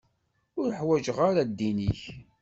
Ur ḥwaǧeɣ ara ddin-ik.